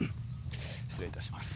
失礼いたします。